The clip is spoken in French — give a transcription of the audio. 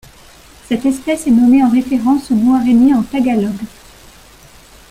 Cette espèce est nommée en référence au mot araignée en tagalog.